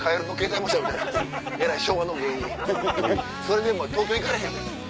それで東京行かれへんで。